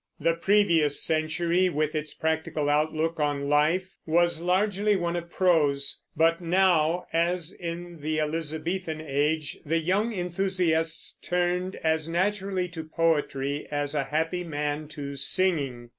The previous century, with its practical outlook on life, was largely one of prose; but now, as in the Elizabethan Age, the young enthusiasts turned as naturally to poetry as a happy man to singing.